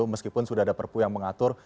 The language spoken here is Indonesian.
meskipun sudah ada perpu yang mengatur